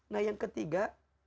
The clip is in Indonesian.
nah yang ketiga